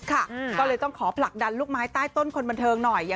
ก็เลยต้องขอผลักดันลูกไม้ใต้ต้นคนบันเทิงหน่อย